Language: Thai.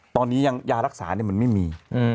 ตอนนี้ยังยารักษามันไม่มี